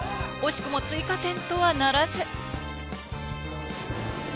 惜しくも追加点とはならず。